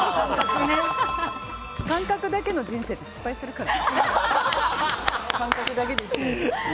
感覚だけの人生って失敗するから。